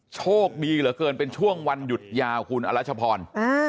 โชคดีเหลือเกินเป็นช่วงวันหยุดยาวคุณอรัชพร